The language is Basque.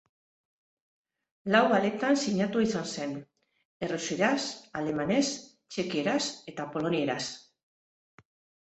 Lau aletan sinatua izan zen, errusieraz, alemanez, txekieraz eta polonieraz.